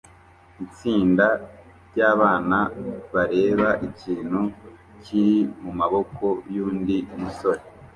Itsinda ryabana bareba ikintu kiri mumaboko yundi musore